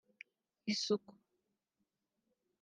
isuku